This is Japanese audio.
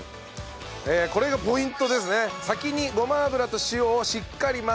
これがポイントですね。